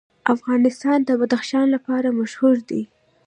افغانستان د بدخشان لپاره مشهور دی.